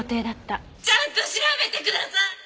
ちゃんと調べてください！